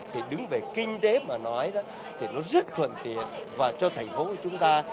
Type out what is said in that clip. thì đứng về kinh tế mà nói đó thì nó rất thuận tiện và cho thành phố của chúng ta